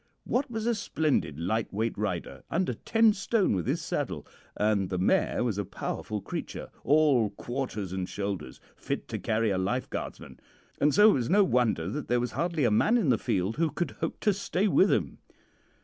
Wat was a splendid lightweight rider under ten stone with his saddle and the mare was a powerful creature, all quarters and shoulders, fit to carry a lifeguardsman; and so it was no wonder that there was hardly a man in the field who could hope to stay with him.